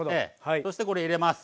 そしてこれ入れます。